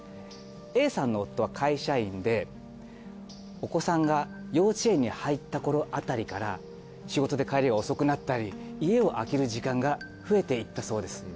Ａさんの夫は会社員でお子さんが幼稚園に入った頃あたりから仕事で帰りが遅くなったり家を空ける時間が増えていったそうです。